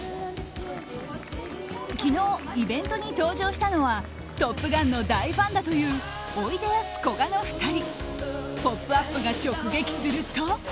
昨日、イベントに登場したのは「トップガン」の大ファンだというおいでやすこがの２人。